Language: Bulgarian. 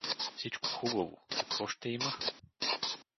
— Всичко хубаво — какво ще има?